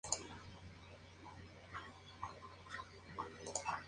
El sexo no consentido es considerado abuso sexual.